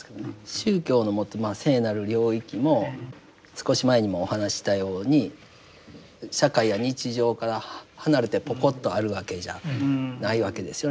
宗教の持つ聖なる領域も少し前にもお話ししたように社会や日常から離れてポコッとあるわけじゃないわけですよね。